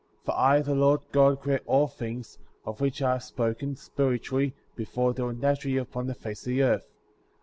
For I, the Lord God, created all things, of which I have spoken, spiritually,^ before they were naturally upon the face of the earth.